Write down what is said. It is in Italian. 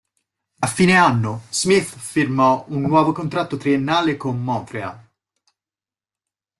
A fine anno, Smith firmò un nuovo contratto triennale con Montreal.